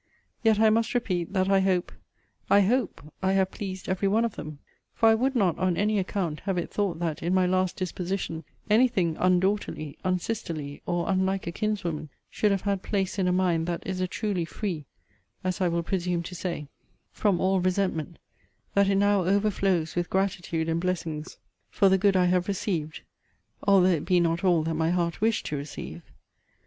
Yet I must repeat, that I hope, I hope, I have pleased every one of them. For I would not, on any account, have it thought that, in my last disposition, any thing undaughterly, unsisterly, or unlike a kinswoman, should have had place in a mind that is a truly free (as I will presume to say) from all resentment, that it now overflows with gratitude and blessings for the good I have received, although it be not all that my heart wished to receive.